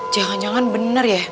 jangan jangan benar ya